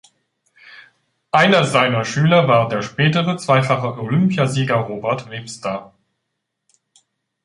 Einer seiner Schüler war der spätere zweifache Olympiasieger Robert Webster.